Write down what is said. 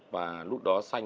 và lúc đó xanh